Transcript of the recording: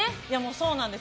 そうなんです。